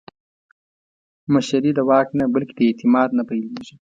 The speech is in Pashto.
مشري د واک نه، بلکې د اعتماد نه پیلېږي